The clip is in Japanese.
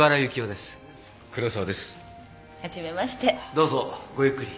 どうぞごゆっくり。